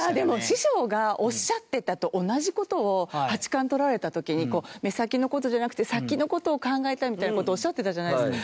師匠がおっしゃってたのと同じ事を、八冠とられた時に目先の事じゃなくて先の事を考えたいみたいな事をおっしゃってたじゃないですか。